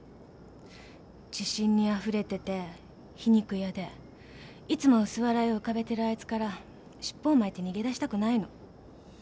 自信にあふれてて皮肉屋でいつも薄笑いを浮かべてるあいつからシッポを巻いて逃げ出したくないの。